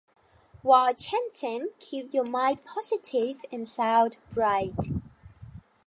While chanting, keep your mind positive and sound bright.